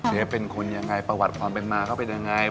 เป็นคนยังไงประวัติความเป็นมาเขาเป็นยังไง